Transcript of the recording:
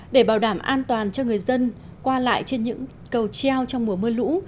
để bảo đảm an toàn cho người dân qua lại trên những cầu treo trong mùa mưa lũ